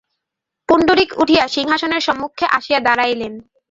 পুণ্ডরীক উঠিয়া সিংহাসনের সম্মুখে আসিয়া দাঁড়াইলেন।